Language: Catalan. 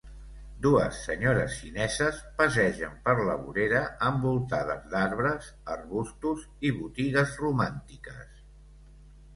Dues senyores xineses passegen per la vorera envoltades d'arbres, arbustos i botigues romàntiques.